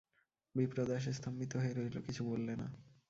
বিপ্রদাস স্তম্ভিত হয়ে রইল, কিছু বললে না।